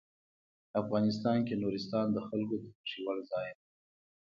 افغانستان کې نورستان د خلکو د خوښې وړ ځای دی.